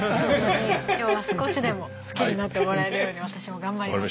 今日は少しでも好きになってもらえるように私も頑張ります。